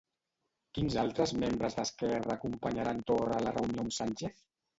Quins altres membres d'Esquerra acompanyaran Torra a la reunió amb Sánchez?